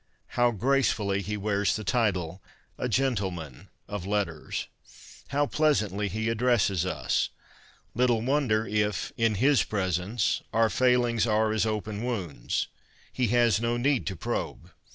How gracefully he wears the title — a Gentleman of Letters ! How pleasantly he addresses us ! Little wonder if, in his presence, our failings are as open wounds. He has no need to probe.